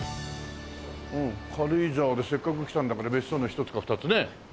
うん軽井沢でせっかく来たんだから別荘の１つか２つね。